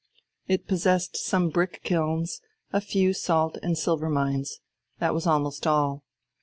It possessed some brick kilns, a few salt and silver mines that was almost all.